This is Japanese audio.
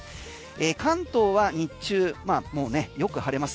関東は日中よく晴れます。